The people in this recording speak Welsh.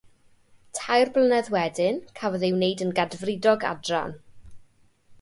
Tair blynedd wedyn, cafodd ei wneud yn gadfridog adran.